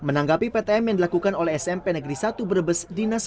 menanggapi ptm yang dilakukan oleh smp negeri satu brebes